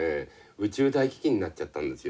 宇宙大飢きんになっちゃったんですよ。